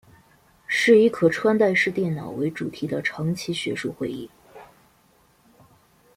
是以可穿戴式电脑为主题的长期学术会议。